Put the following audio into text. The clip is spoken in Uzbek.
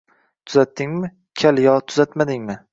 Тuzatdingmi, kal, yo tuzatmadingmi